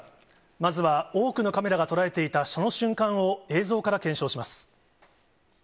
まずは、多くのカメラが捉えていたその瞬間を映像から検証します。